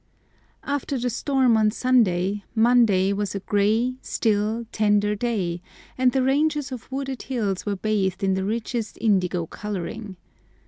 AFTER the storm of Sunday, Monday was a grey, still, tender day, and the ranges of wooded hills were bathed in the richest indigo colouring.